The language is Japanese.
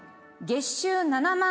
月収７万⁉